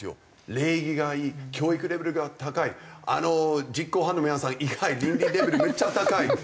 礼儀がいい教育レベルが高いあの実行犯の皆さん以外倫理レベルめっちゃ高い。